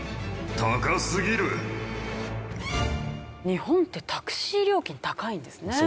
日本ってタクシー料金高いんですね。